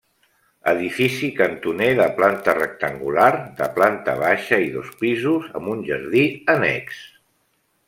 Edifici cantoner de planta rectangular, de planta baixa i dos pisos, amb un jardí annex.